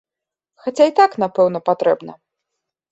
Хаця і так, напэўна, патрэбна.